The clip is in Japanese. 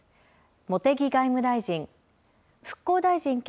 茂木外務大臣、復興大臣兼